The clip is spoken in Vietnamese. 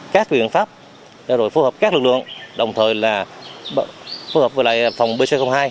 các viện pháp đã rồi phù hợp các lực lượng đồng thời là phù hợp với lại phòng pc hai